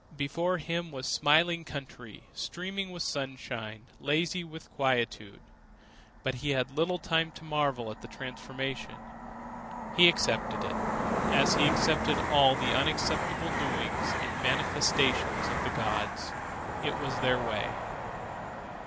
Before him was smiling country, streaming with sunshine, lazy with quietude. But he had little time to marvel at the transformation. He accepted it as he accepted all the unaccountable doings and manifestations of the gods. It was their way.